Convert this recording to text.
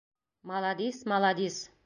Маладис, маладис.